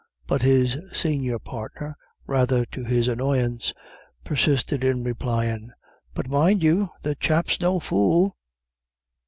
But his senior partner, rather to his annoyance, persisted in replying, "But, mind you, the chap's no fool."